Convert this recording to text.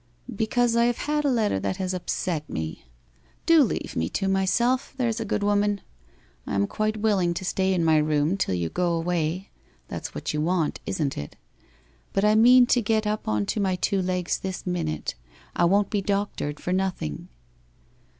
( Because I have had a letter that has upset me. Do leave me to myself, there's a good woman. I am quite willing to stay in my room till you go away — that's what you want, isn't it? — but I mean to get up on to my two legs this minute. I won't be doctored for nothing.'